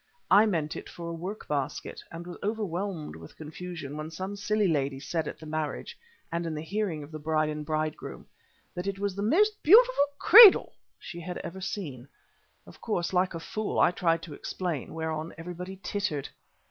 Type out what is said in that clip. I meant it for a work basket, and was overwhelmed with confusion when some silly lady said at the marriage, and in the hearing of the bride and bridegroom, that it was the most beautiful cradle she had ever seen. Of course, like a fool, I tried to explain, whereon everybody tittered.